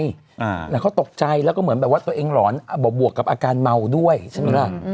อ่าแล้วเขาตกใจแล้วก็เหมือนแบบว่าตัวเองหลอนอ่าบวกกับอาการเมาด้วยใช่ไหมล่ะ